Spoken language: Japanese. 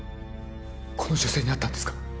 この女性に会ったんですか？